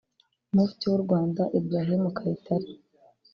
Mufti w’u Rwanda Ibrahim Kayitare